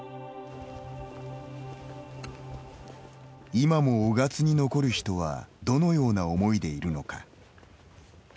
今も雄勝に残る人はどのような思いでいるのか。